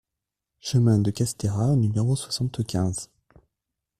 Chemin de Castera au numéro soixante-quinze